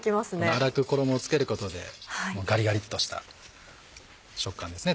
粗く衣を付けることでガリガリっとした食感ですね